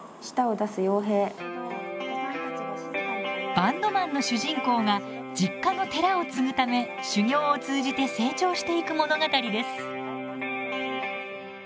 バンドマンの主人公が実家の寺を継ぐため修行を通じて成長していく物語です。